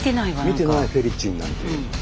見てないフェリチンなんていうのは。